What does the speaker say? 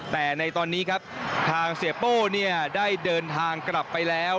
แต่ในตอนนี้ครับทางเสียโป้ได้เดินทางกลับไปแล้ว